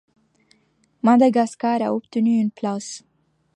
Madagascar a obtenu une place.